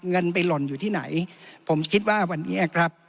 เงินไปหล่นอยู่ที่ไหนผมคิดว่าวันนี้ครับ